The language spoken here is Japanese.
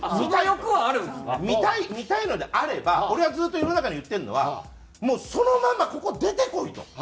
見たいのであれば俺はずっと世の中に言ってるのはもうそのままここ出てこいと。